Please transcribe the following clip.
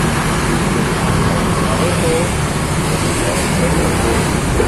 Yeqreb neɣ iḍul, ad tesεuḍ kan uguren.